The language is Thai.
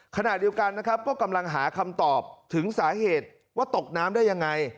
ขณะเดียวกันนะครับก็กำลังหาคำตอบถึงสาเหตุว่าตกน้ำได้ยังไง